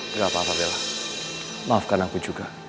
gak apa apa bella maafkan aku juga